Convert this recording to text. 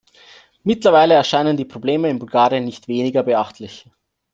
Mittlerweile erscheinen die Probleme in Bulgarien nicht weniger beachtlich.